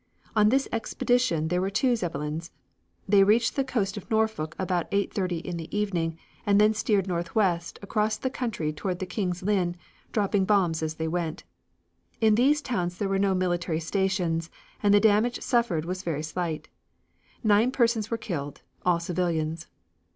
On this expedition there were two Zeppelins. They reached the coast of Norfolk about 8.30 in the evening and then steered northwest across the country toward King's Lynn, dropping bombs as they went. In these towns there were no military stations and the damage suffered was very slight. Nine persons were killed, all civilians.